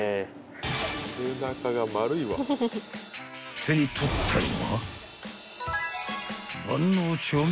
［手に取ったのは］